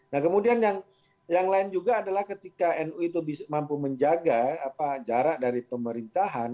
nah kemudian yang lain juga adalah ketika nu itu mampu menjaga jarak dari pemerintahan